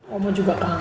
omoh juga kangen